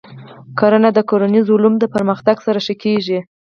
کرنه د کرنیزو علومو د پرمختګ سره ښه کېږي.